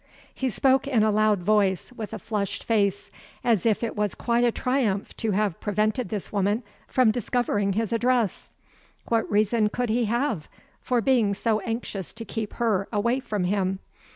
He spoke in a loud voice, with a flushed face as if it was quite a triumph to have prevented this woman from discovering his address. What reason could he have for being so anxious to keep her away from him?